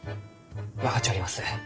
分かっちょります。